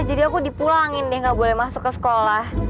jadi aku dipulangin deh nggak boleh masuk ke sekolah